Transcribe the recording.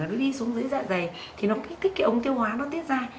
rồi nó đi xuống dưới dạ dày thì nó kích thích cái ống tiêu hóa nó tiết ra